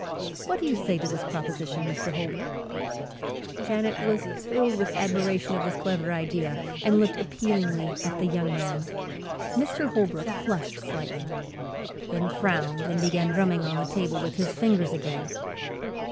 What do you say to this proposition, Mr. Holbrook?" Janet was filled with admiration of this clever idea and looked appealingly at the young man. Mr. Holbrook flushed slightly, then frowned and began drumming on the table with his fingers again.